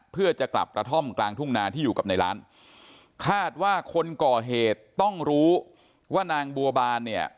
เพื่อจะกลับกระท่อมกลางทุ่งนาที่อยู่กับในร้านคาดว่าคนก่อเหตุต้องรู้ว่านางบัวบานเนี่ย